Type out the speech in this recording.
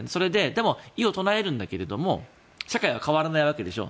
でも異を唱えるんだけれども社会は変わらないわけでしょ。